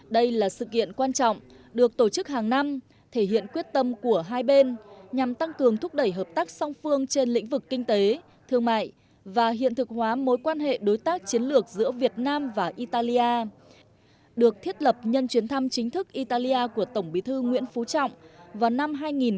đây là sự kiện quan trọng được tổ chức hàng năm thể hiện quyết tâm của hai bên nhằm tăng cường thúc đẩy hợp tác song phương trên lĩnh vực kinh tế thương mại và hiện thực hóa mối quan hệ đối tác chiến lược giữa việt nam và italia được thiết lập nhân chuyến thăm chính thức italia của tổng bí thư nguyễn phú trọng vào năm hai nghìn một mươi